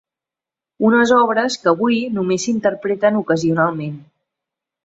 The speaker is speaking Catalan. Unes obres que, avui, només s'interpreten ocasionalment.